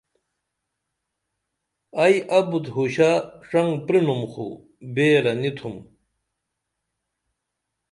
ائی ابُت ہوشہ ڇنگ پرینُم خو بیرہ نی تُھم